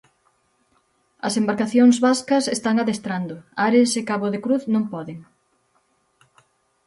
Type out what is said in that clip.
As embarcacións vascas están adestrando, Ares e Cabo de Cruz non poden.